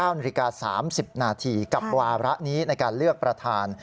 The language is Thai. ๙นาฬิกา๓๐นาทีกับวาระนี้ในการเลือกประธาน